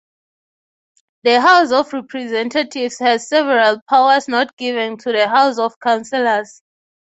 The House of Representatives has several powers not given to the House of Councillors.